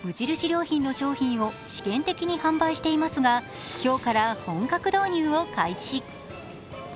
良品の商品を試験的に販売していますが今日から本格導入を開始。